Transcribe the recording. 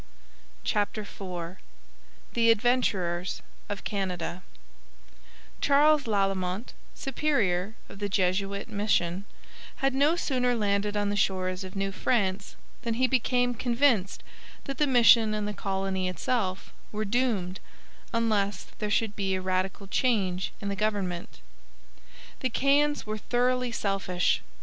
CHAPTER IV THE ADVENTURERS OF CANADA Charles Lalemant, superior of the Jesuit mission, had no sooner landed on the shores of New France than he became convinced that the mission and the colony itself were doomed unless there should be a radical change in the government. The Caens were thoroughly selfish.